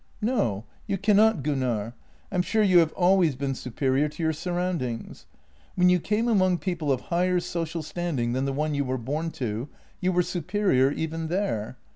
" No, you cannot, Gunnar. I'm sure you have always been superior to your surroundings. When you came among people of higher social standing than the one you were bom to, you were superior even there.